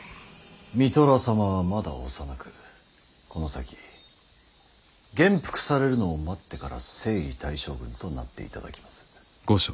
三寅様はまだ幼くこの先元服されるのを待ってから征夷大将軍となっていただきます。